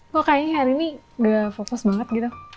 kok kayaknya hari ini udah fokus banget gitu